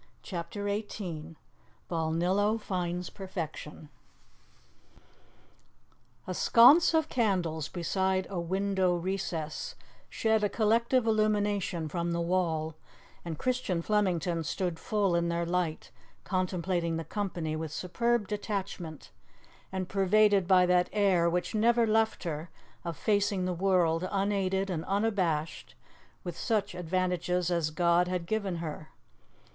CHAPTER XVIII BALNILLO FINDS PERFECTION A SCONCE of candles beside a window recess shed a collective illumination from the wall, and Christian Flemington stood full in their light, contemplating the company with superb detachment, and pervaded by that air, which never left her, of facing the world, unaided and unabashed, with such advantages as God had given her.